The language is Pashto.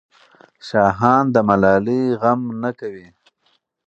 شاهان د ملالۍ غم نه کوي.